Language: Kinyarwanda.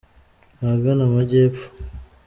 Ahagana amajyepho